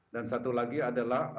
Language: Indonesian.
dan satu lagi adalah